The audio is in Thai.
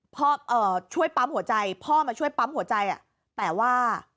เอ่อช่วยปั๊มหัวใจพ่อมาช่วยปั๊มหัวใจอ่ะแต่ว่า